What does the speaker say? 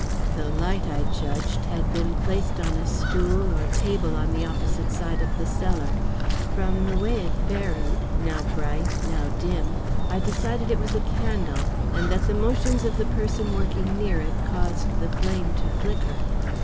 The light, I judged, had been placed on a stool or table on the opposite side of the cellar. From the way it varied, now bright, now dim, I decided it was a candle, and that the motions of the person working near it caused the flame to flicker.